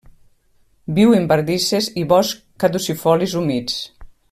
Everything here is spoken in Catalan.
Viu en bardisses i boscs caducifolis humits.